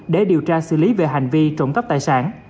để điều tra xử lý về hành vi trộm cắp tài sản